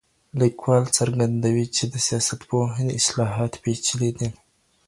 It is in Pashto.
ليکوال څرګندوي چي د سياستپوهني اصطلاحات پېچلي دي.